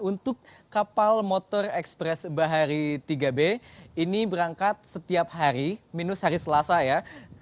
untuk kapal motor ekspres bahari tiga b ini berangkat setiap hari minus hari selasa ya